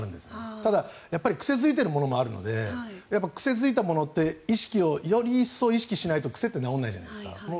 ただ、癖付いているものもあるので癖付いたものってより一層意識しないと癖って直らないじゃないですか。